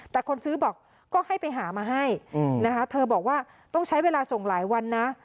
แต่คนซื้อบอกก็ให้ไปหามาให้นะคะเธอบอกว่าต้องใช้เวลาส่งหลายวันนะ